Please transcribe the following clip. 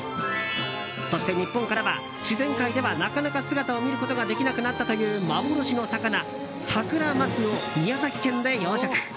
そして日本からは、自然界ではなかなか姿を見ることができなくなったという幻の魚、サクラマスを宮崎県で養殖。